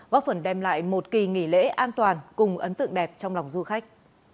góp phần đem lại một kỳ nghỉ lễ an toàn cùng ấn tượng đẹp trong lòng du khách